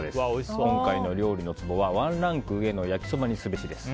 今回の料理のツボはワンランク上の焼きそばにすべしです。